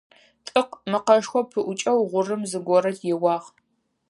«ТӀыкъ» мэкъэшхо пыӀукӀэу гъурым зыгорэ еуагъ.